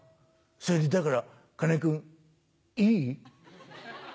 「それだから金井君いい？」。